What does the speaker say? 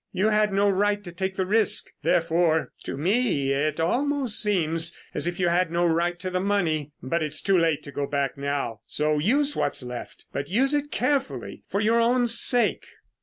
You had no right to take the risk; therefore, to me it almost seems as if you had no right to the money. But it's too late to go back now, so use what's left, but use it carefully for your own sake."